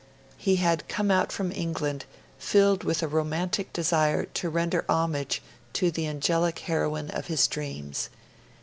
He had come out from England filled with a romantic desire to render homage to the angelic heroine of his dreams.